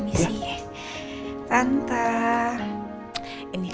iakah pisang pancasila ini